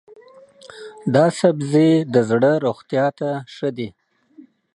دا سبزی د زړه روغتیا ته ښه دی.